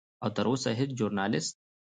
او تر اوسه هیڅ ژورنالست